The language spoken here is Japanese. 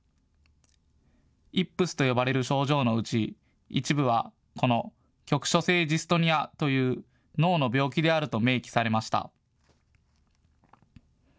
イップスと呼ばれる症状のうち一部はこの局所性ジストニアという脳の病気であると明記されました。